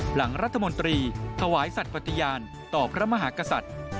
หลังรัฐมนตรีถวายสัตว์ปฏิญาณต่อพระมหากษัตริย์